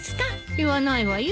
言わないわよ。